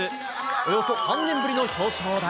およそ３年ぶりの表彰台。